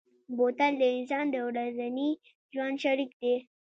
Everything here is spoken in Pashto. بوتل د انسان د ورځني ژوند شریک دی.